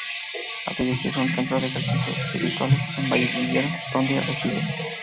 Ha dirigido un centro de ejercicios espirituales en Baviera, donde reside.